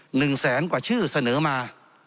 หนึ่งแสนกว่าชื่อเสนอมา